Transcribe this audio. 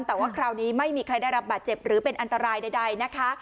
แต่ว่าคราวนี้ไม่มีใครได้รับบาดเจ็บหรือเป็นอันตรายใดนะคะ